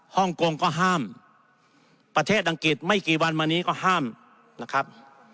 ฮ่องกงก็ห้ามประเทศอังกฤษไม่กี่วันมานี้ก็ห้ามนะครับ